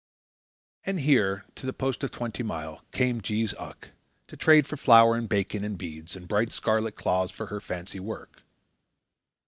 And here, to the post of Twenty Mile, came Jees Uck, to trade for flour and bacon, and beads, and bright scarlet cloths for her fancy work.